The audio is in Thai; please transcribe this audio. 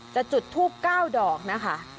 จุดทูบ๙ดอกนะคะ